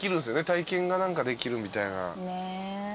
体験が何かできるみたいな。